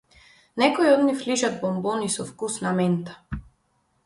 Некои од нив лижат бонбони со вкус на мента.